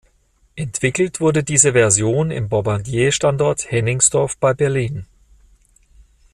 Entwickelt wurde diese Version im Bombardier Standort Hennigsdorf bei Berlin.